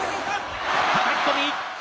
はたき込み。